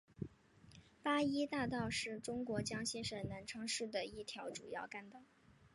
八一大道是中国江西省南昌市的一条主要干道。